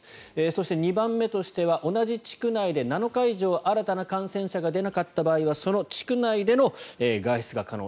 そして、２番目としては同じ地区内で７日以上新たな感染者が出なかった場合はその地区内での外出が可能。